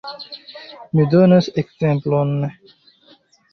Mi donos ekzemplon.